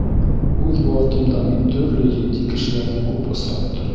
Үҙ быуатымда мин төрлө етди кешеләрҙе күп осраттым.